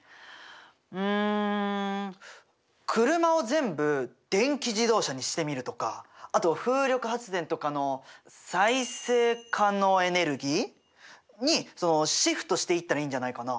うん車を全部電気自動車にしてみるとかあと風力発電とかの再生可能エネルギー？にシフトしていったらいいんじゃないかな。